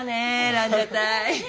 ランジャタイ。